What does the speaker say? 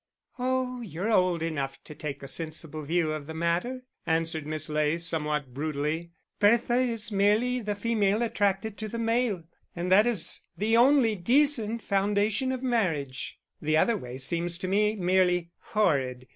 "Oh, you're old enough to take a sensible view of the, matter," answered Miss Ley, somewhat brutally. "Bertha is merely the female attracted to the male, and that is the only decent foundation of marriage the other way seems to me merely horrid.